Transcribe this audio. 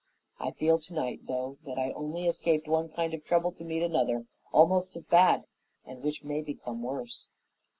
I feel tonight, though, that I only escaped one kind of trouble to meet another almost as bad and which may become worse."